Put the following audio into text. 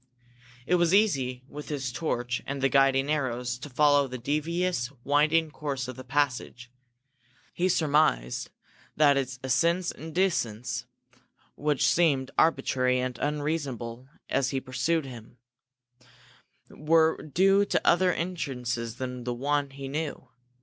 It was easy, with his torch and the guiding arrows, to follow the devious, winding course of the passage. He surmised that its ascents and descents, which seemed arbitrary and unreasonable as he pursued them, were due to other entrances than the one he knew.